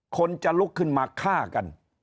คนจะลุกขึ้นมาฆ่ากัน